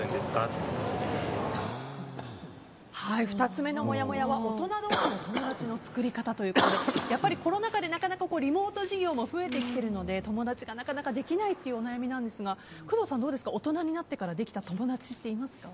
２つ目のもやもやは大人同士の友達の作り方ということでやっぱりコロナ禍でなかなかリモート授業も増えてきているので友達がなかなかできないっていうお悩みなんですが工藤さん、どうですか大人になってからできた友達っていますか。